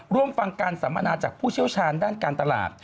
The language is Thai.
ร่วมฟังการสัมมนาจากผู้เชี่ยวชาญด้านการตลาด